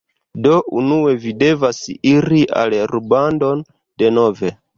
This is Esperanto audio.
Do unue vi devas iri al rubandon denove